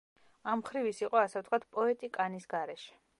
ამ მხრივ ის იყო ასე ვთქვათ, პოეტი კანის გარეშე.